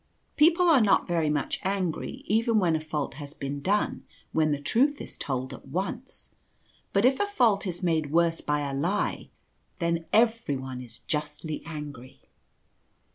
People are not very much angry even when a fault has been done, when the truth is told at once; but if a fault is made wQrse by a lie then everyone is justly angry.